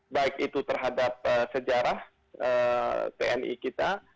baik itu terhadap sejarah tni kita